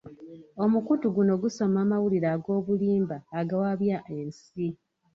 Omukutu guno gusoma amawulire ag'obulimba agawabya ensi.